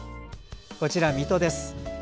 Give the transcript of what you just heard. こちらは水戸です。